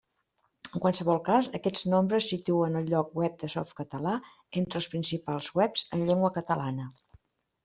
En qualsevol cas, aquests nombres situen el lloc web de Softcatalà entre els principals webs en llengua catalana.